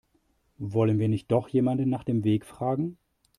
Wollen wir nicht doch jemanden nach dem Weg fragen?